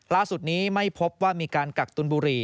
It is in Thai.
ล่าสุดนี้ไม่พบว่ามีการกักตุนบุหรี่